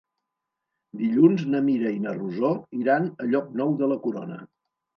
Dilluns na Mira i na Rosó iran a Llocnou de la Corona.